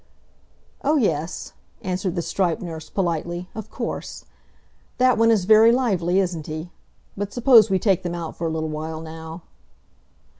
"Oh, yes," answered the striped nurse, politely, "of course. That one is very lively, isn't he? But suppose we take them out for a little while now."